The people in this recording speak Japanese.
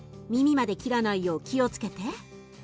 耳まで切らないよう気をつけて。